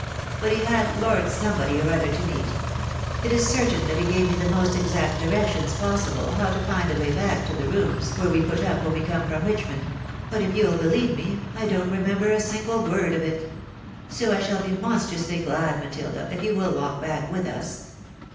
But he had Lord somebody or other to meet. It is certain that he gave me the most exact directions possible how to find the way back to the rooms, where we put up when we come from Richmond ; but if you'U beUeve me, I don't remember a single word of it. So I shall be monstrously glad, Matilda, if you will walk back with us."